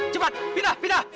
cepat pindah pindah